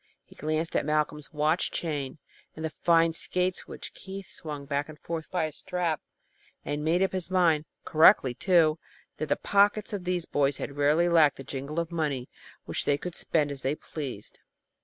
He glanced at Malcolm's watch chain and the fine skates which Keith swung back and forth by a strap, and made up his mind, correctly, too, that the pockets of these boys rarely lacked the jingle of money which they could spend as they pleased.